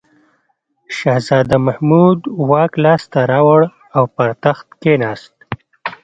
شهزاده محمود واک لاس ته راوړ او پر تخت کښېناست.